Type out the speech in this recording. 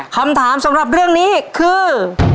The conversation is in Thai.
คำถามสำหรับเรื่องนี้คือ